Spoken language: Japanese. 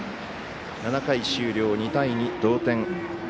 ７回終了、２対２同点。